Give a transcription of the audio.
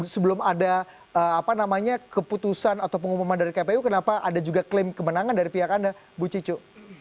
sebelum ada keputusan atau pengumuman dari kpu kenapa ada juga klaim kemenangan dari pihak anda bu cicu